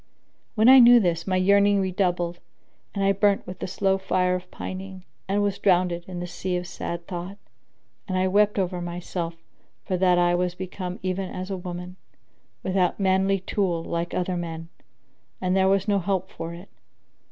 When I knew this, my yearning redoubled and I burnt with the slow fire of pining and was drowned in the sea of sad thought; and I wept over myself for that I was become even as a woman, without manly tool like other men, and there was no help for it.